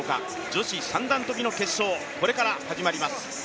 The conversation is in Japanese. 女子三段跳の決勝、これから始まります。